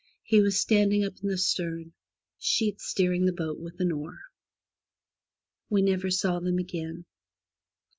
He was standing up in the stern sheets steering the boat with an oar. We never saw them again.